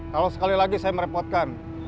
kalau sekali lagi saya merepotkan